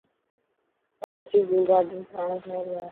ڪراچي زو گارڊن پراڻو ٺهيل هي.